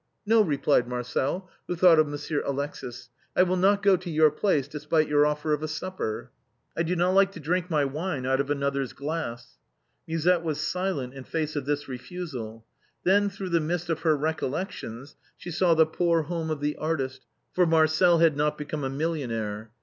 " No," replied Marcel, who thought of Monsieur Alexis. " I will not go to your place, despite your offer of a supper. I do not like to drink my wine out of another's glass." Musette was silent in face of this refusal. Then through the mist of her recollections she saw the poor home of the artist, for Marcel had not become a millionaire.